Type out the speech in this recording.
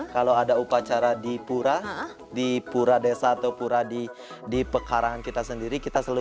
kalau ada upacara di pura di pura desa atau pura di di pekarangan kita sendiri kita selalu